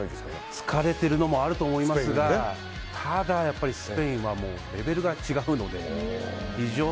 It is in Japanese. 疲れているのもあると思いますがただ、スペインはレベルが違うので。